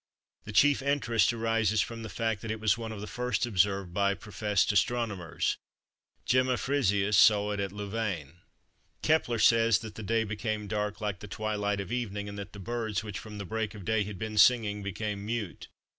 The chief interest arises from the fact that it was one of the first observed by professed astronomers: Gemma Frisius saw it at Louvain. Kepler says that the day became dark like the twilight of evening and that the birds which from the break of day had been singing became mute.